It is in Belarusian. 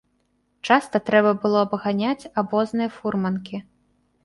Часта трэба было абганяць абозныя фурманкі.